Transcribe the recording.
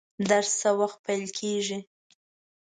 درس څه وخت پیل کیږي؟